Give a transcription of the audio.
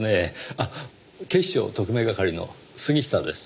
あっ警視庁特命係の杉下です。